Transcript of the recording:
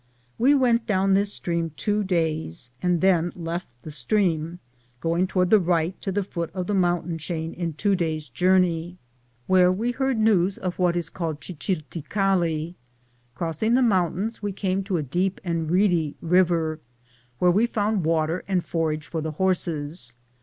We went down this stream two days, and then left the stream, going toward the right to the foot of the mountain chain in two days' journey, where we heard news of what is called Chichiltie Calli Grossing the mountains, we came to a deep and reedy river, where we found water and forage for the horses.